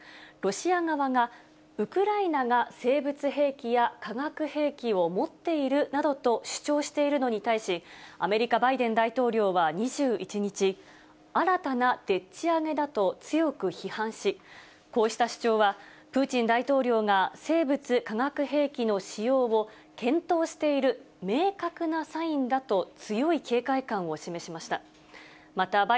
ロシア側がウクライナが生物兵器や化学兵器を持っているなどと主張しているのに対し、アメリカ、バイデン大統領は２１日、新たなでっち上げだと強く批判し、こうした主張は、プーチン大統領が生物化学兵器の使用を検討している明確なサインだと強い警戒感を示しました。